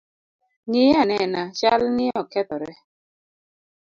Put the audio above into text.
Ng’iye anena, chalni okethore.